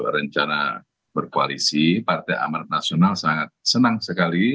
rencana berkoalisi partai amanat nasional sangat senang sekali